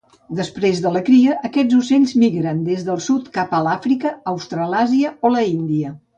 Després de la cria, aquests ocells migren des del sud cap a l'Àfrica, Australàsia o l'Índia.